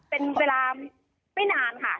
เป็นเวลาไม่นานค่ะ